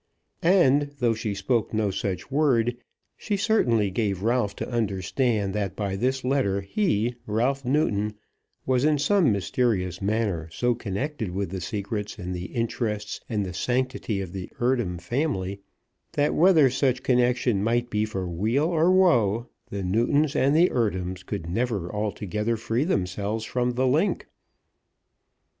And, though she spoke no such word, she certainly gave Ralph to understand that by this letter he, Ralph Newton, was in some mysterious manner so connected with the secrets, and the interests, and the sanctity of the Eardham family, that, whether such connection might be for weal or woe, the Newtons and the Eardhams could never altogether free themselves from the link.